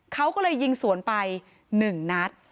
เขาก็เลยยิงสวนไป๑นัด